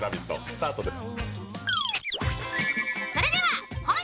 スタートです。